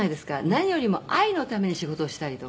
「何よりも愛のために仕事をしたりとか」